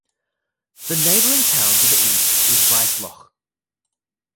The neighbouring town to the east is Wiesloch.